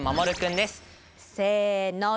せの！